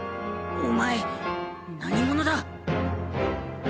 お前何者だ？